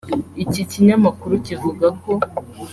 Iki kinyamakuru kivuga ko